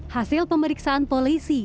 hasil pemeriksaan awal ini